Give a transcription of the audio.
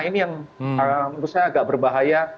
ini yang menurut saya agak berbahaya